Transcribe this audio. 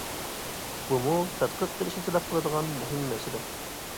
بۇمۇ تەتقىق قىلىشنى تەلەپ قىلىدىغان مۇھىم مەسىلە.